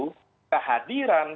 kemudian bentuk kehadiran